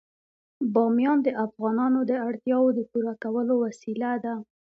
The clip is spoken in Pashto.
بامیان د افغانانو د اړتیاوو د پوره کولو وسیله ده.